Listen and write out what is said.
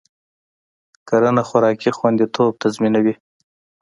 کرنه خوراکي خوندیتوب تضمینوي.